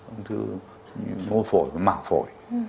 ung thư ngô phổi và mạng phổi